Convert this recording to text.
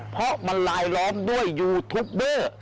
เพราะมันลายล้อมด้วยยูทูปเดอร์